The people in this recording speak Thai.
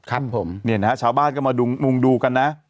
ครับผมเนี่ยนะฮะชาวบ้านก็มามุงดูกันนะ